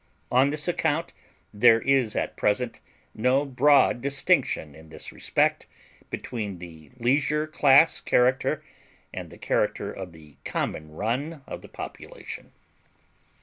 On this account there is at present no broad distinction in this respect between the leisure class character and the character of the common run of the population.